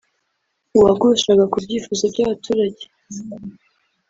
uwagushaga ku byifuzo by’abaturage